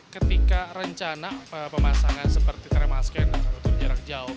ketika rencana pemasangan seperti thermal scanner untuk jarak jauh